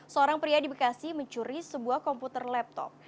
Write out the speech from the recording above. seorang pria di bekasi mencuri sebuah komputer laptop